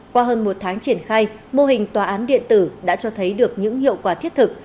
qua hơn một tháng triển khai mô hình tòa án điện tử đã cho thấy được những hiệu quả thiết thực